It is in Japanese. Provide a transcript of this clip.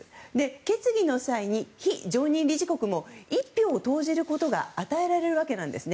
決議の際、非常任理事国にも１票を投じることが与えられるわけなんですね。